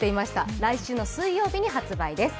来週の水曜日に発売です。